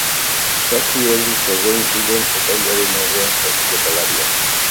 Zazpi orduz egon ziren epailearen aurrean jokalariak.